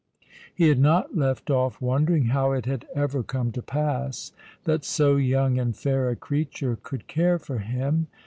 He had not left off wondering how it had ever come to pass that so young and fair a creature could care for him.